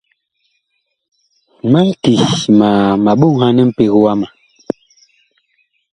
Mag ki ma ɓoŋhan mpeg wama.